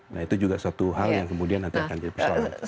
nah itu juga suatu hal yang kemudian nanti akan jadi persoalan